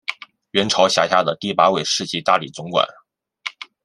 元朝辖下的第八位世袭大理总管。